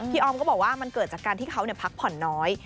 ออมก็บอกว่ามันเกิดจากการที่เขาพักผ่อนน้อย